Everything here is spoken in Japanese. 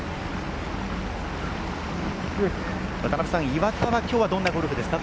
岩田は今日、どんなゴルフですか？